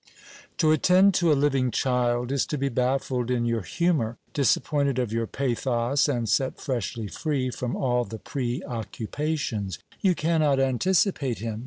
To attend to a living child is to be baffled in your humour, disappointed of your pathos, and set freshly free from all the pre occupations. You cannot anticipate him.